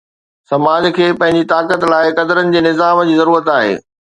سماج کي پنهنجي طاقت لاءِ قدرن جي نظام جي ضرورت آهي.